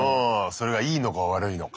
それがいいのか悪いのか。